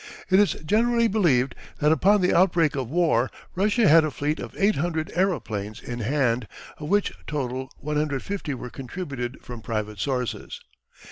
It is generally believed that upon the outbreak of war Russia had a fleet of 800 aeroplanes in hand, of which total 150 were contributed from private sources.